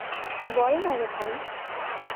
বলনা রে ভাই!